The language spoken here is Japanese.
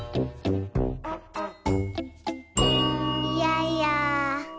いやいや。